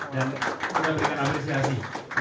dan saya memberikan amresiasi